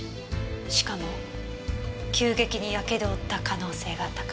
しかも急激にやけどを負った可能性が高い。